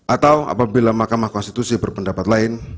atau apabila mahkamah konstitusi berpendapat lain